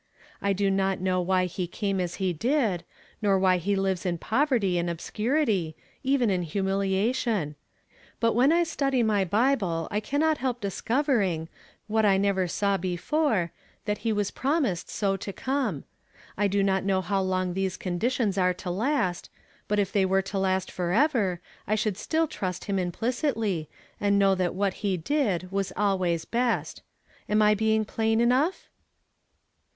I do not know why he came as he did, nor why he lives in poverty and oljscurity, even in humiliation ; but when I study my Bible I cannot help discovering, what I never saw be fore, that he was promised so to come, I do not know how long these conditions are to last; but if 228 YESTERDAY FRAMED IN TO DAY. I> i they were to last forever, I should still trust him implicitly, and know that what he did was always best. Am 1 being plain enough